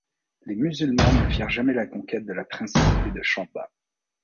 Les musulmans ne firent jamais la conquête de la principauté de Chamba.